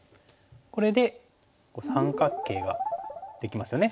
これで三角形ができますよね。